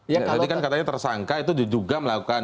jadi kan katanya tersangka itu diduga melakukan